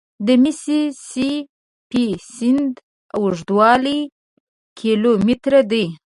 د میسي سي پي سیند اوږدوالی کیلومتره دی.